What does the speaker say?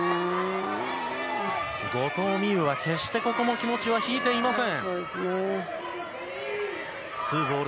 後藤希友は決してここも気持ちは引いていません。